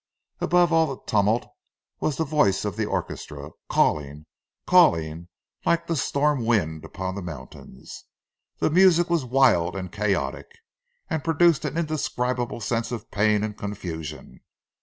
Above all the tumult was the voice of the orchestra, calling, calling, like the storm wind upon the mountains; the music was wild and chaotic, and produced an indescribable sense of pain and confusion.